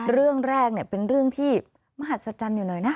เรื่องแรกเป็นเรื่องที่มหัศจรรย์อยู่หน่อยนะ